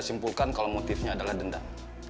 simpulkan kalau motifnya adalah dendam